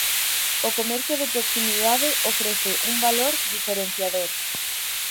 O comercio de proximidade ofrece un valor diferenciador.